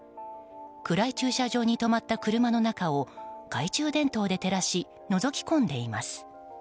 暗い駐車場に止まった車の中を懐中電灯で照らしのぞき込んでいます。